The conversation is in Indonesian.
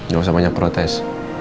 gak usah banyak protes